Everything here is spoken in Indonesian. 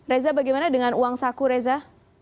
reza bagaimana dengan uang saku reza